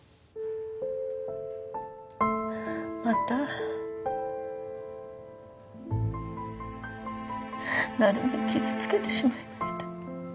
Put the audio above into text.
また成美を傷つけてしまいました。